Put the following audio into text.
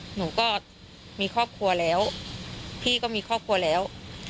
หนูก็มีครอบครัวแล้วพี่ก็มีครอบครัวแล้ว